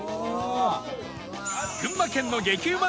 群馬県の激うま！